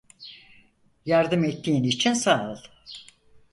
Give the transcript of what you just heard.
Yardım ettiğin için sağ ol.